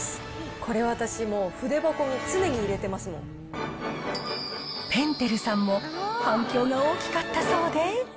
これは私、もう筆箱に常に入れてぺんてるさんも反響が大きかったそうで。